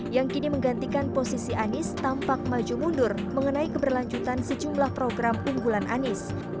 yang kini menggantikan posisi anies tampak maju mundur mengenai keberlanjutan sejumlah program unggulan anies